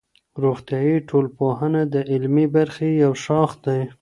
روغتیایی ټولنپوهنه د عملي برخې یو ښاخ دی.